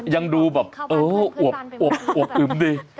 ยังดูแบบโอ๊ยอวกอึมดิ